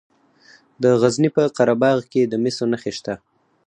د غزني په قره باغ کې د مسو نښې شته.